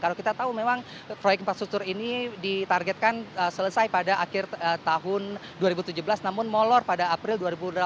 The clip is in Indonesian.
kalau kita tahu memang proyek infrastruktur ini ditargetkan selesai pada akhir tahun dua ribu tujuh belas namun molor pada april dua ribu delapan belas